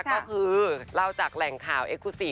ก็คือเล่าจากแหล่งข่าว